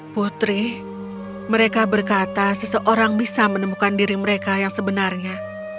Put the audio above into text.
putri mereka berkata seseorang bisa menemukan diri mereka yang sebenarnya